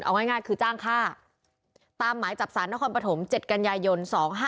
เอาง่ายคือจ้างค่าตามหมายจับสารนครปฐม๗กันยายน๒๕๖